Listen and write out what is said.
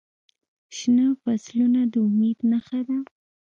شنه فصلونه د امید نښه ده.